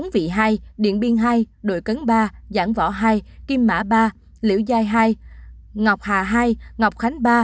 bốn vị hai điện biên hai đội cấn ba giãn võ hai kim mã ba liễu giai hai ngọc hà hai ngọc khánh ba